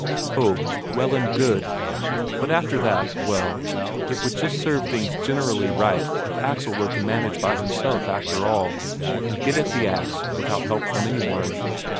Ho well and good! But after that, well, it would just serve things generally right if Axel were to manage by himself after all, and get at the ax without help from any one.